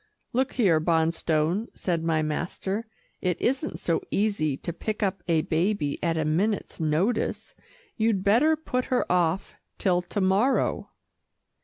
"Look here, Bonstone," said my master, "it isn't so easy to pick up a baby at a minute's notice. You'd better put her off till to morrow."